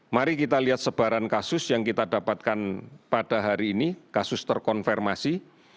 mari kita lihat sebaran kasus yang kita dapatkan pada hari ini kasus terkonfirmasi